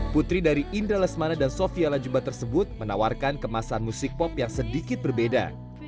putri dari indra lesmana dan sofia lajuba tersebut menawarkan kemasan musik pop yang sedikit berbeda